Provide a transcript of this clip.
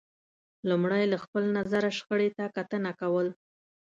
لمړی له خپل نظره شخړې ته کتنه کول